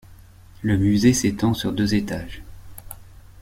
Le musée s'étend sur deux étages.